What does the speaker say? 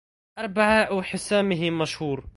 أربعاء حسامه مشهور